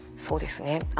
そうですね。